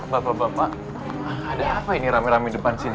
bapak bapak ada apa ini rame rame depan sini